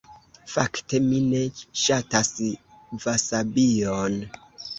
Fakte, mi ne ŝatas vasabion.